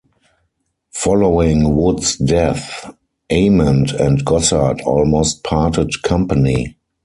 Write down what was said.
Following Wood's death, Ament and Gossard almost parted company.